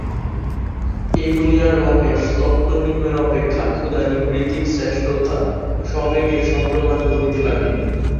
এই বলিয়া রমেশ তত্ত্বনির্ণয় অপেক্ষা ক্ষুধানিবৃত্তির শ্রেষ্ঠতা সবেগে সপ্রমাণ করিতে লাগিল।